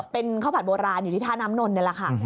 เป็นข้าวผัดโบราณอยู่ที่ท่าน้ำนนท์นี่แหละค่ะ